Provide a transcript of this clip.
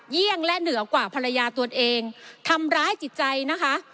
และเหนือกว่าภรรยาตัวเองทำร้ายจิตใจนะคะ